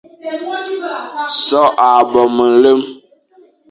So a bo me nlem,